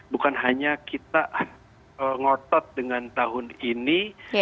bukan hanya kita ngotot dengan tahun ini